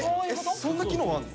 そんな機能あるの？